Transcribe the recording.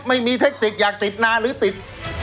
ไม่มีเทคติกอยากติดนานหรือติด